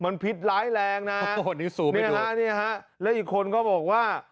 มันพิษร้ายแรงนะสูงนะฮะเนี่ยฮะแล้วอีกคนก็บอกว่า